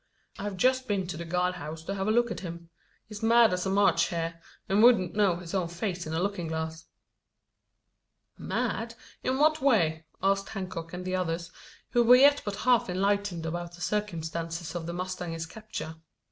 I've just been to the guard house to have a look at him. He's mad as a March hare; and wouldn't know his own face in a looking glass." "Mad! In what way?" asked Hancock and the others, who were yet but half enlightened about the circumstances of the mustanger's capture.